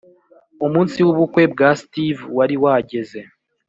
umunsi w’ubukwe bwa steve wari wageze